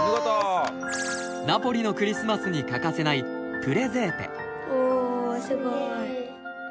ナポリのクリスマスに欠かせないおすごい。